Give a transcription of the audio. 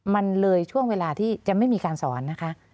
มันเลยช่วงเวลาที่จะไม่มีการสอนนะคะ